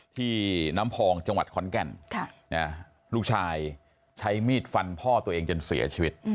ที่น้ำพองจังหวัดขอนแก่นลูกชายใช้มีดฟันพ่อตัวเองจนเสียชีวิต